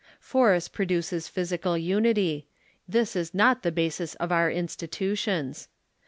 Force produces physical unity; this is not the basis of our institutions.